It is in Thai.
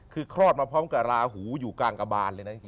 คือคลอดมาพร้อมกับราหูอยู่กลางกระบานเลยนะจริง